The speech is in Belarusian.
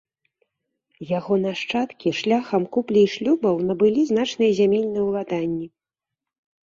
Яго нашчадкі шляхам куплі і шлюбаў набылі значныя зямельныя ўладанні.